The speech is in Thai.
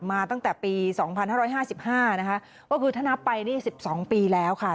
มาตั้งแต่ปีสองพันห้าร้อยห้าสิบห้านะคะว่าคือถนับไปนี่สิบสองปีแล้วค่ะ